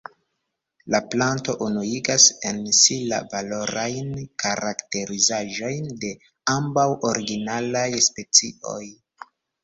La planto unuigas en si la valorajn karakterizaĵojn de ambaŭ originalaj specioj.